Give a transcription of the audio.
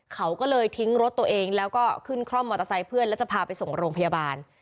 เขาก็เลยทิ้งรถตัวเองแล้วก็ขึ้นคร่อมมอเตอร์ไซค์เพื่อนแล้วจะพาไปส่งโรงพยาบาล